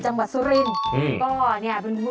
จังหวัดสุรินทร์